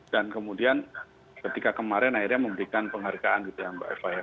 dan kemudian ketika kemarin akhirnya memberikan penghargaan gitu ya mbak eva ya